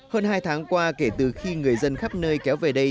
hơn hai tháng qua kể từ khi người dân khắp nơi kéo về đây